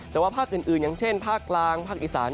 แต่ว่าภาคอื่นอย่างเช่นภาคกลางภาคอีสาน